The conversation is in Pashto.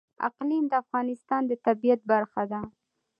اقلیم د افغانستان د طبیعت برخه ده.